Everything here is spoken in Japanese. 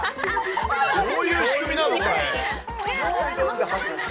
どういう仕組みなの、これ。